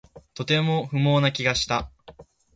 とても不毛な気がした